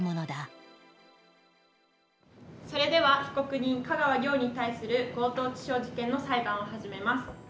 それでは被告人香川良に対する強盗致傷事件の裁判を始めます。